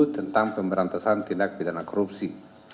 tentang pemberantasan tindak pidana korupsi